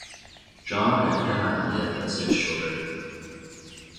John and Hannah Eliot had six children.